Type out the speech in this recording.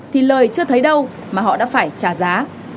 thì lời chưa thấy đâu mà họ đã phải trả giá